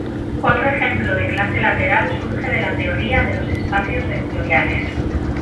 Otro ejemplo de clase lateral surge de la teoría de los espacios vectoriales.